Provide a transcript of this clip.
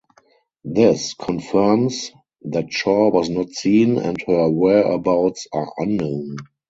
This confirms that Shaw was not seen and her whereabouts are unknown.